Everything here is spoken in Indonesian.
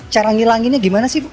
cara menghilanginya bagaimana sih bu